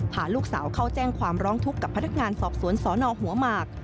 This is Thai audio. พาลูกสาวเข้าแจ้งความร้องทุกข์กับพนักงานสอบสวนสนหัวหมาก